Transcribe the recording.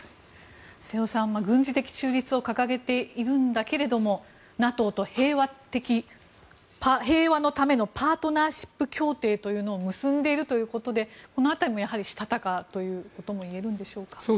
瀬尾さん、軍事的中立を掲げているんだけれどもＮＡＴＯと平和のためのパートナーシップ協定というのを結んでいるということでこの辺りも、やはりしたたかということもいえるんでしょうか。